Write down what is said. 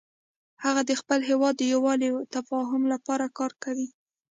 هغه د خپل هیواد د یووالي او تفاهم لپاره کار کوي